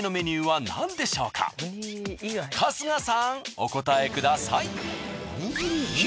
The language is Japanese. お答えください。